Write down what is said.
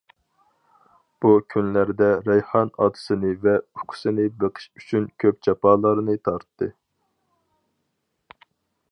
بۇ كۈنلەردە رەيھان ئاتىسىنى ۋە ئۇكىسىنى بېقىش ئۈچۈن كۆپ جاپالارنى تارتتى.